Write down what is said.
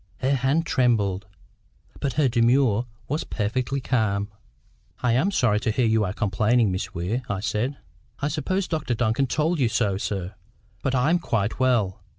Her hand trembled, but her demeanour was perfectly calm. "I am sorry to hear you are complaining, Miss Weir," I said. "I suppose Dr Duncan told you so, sir. But I am quite well.